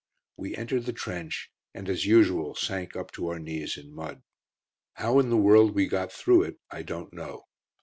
We entered the trench, and as usual sank up to our knees in mud. How in the world we got through it I don't know!